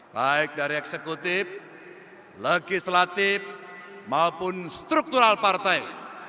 baik dari eksekutif legislatif maupun struktural partai